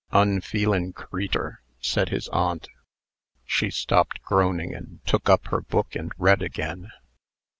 "Unfeelin' creetur!" said his aunt. She stopped groaning, and took up her book and read again.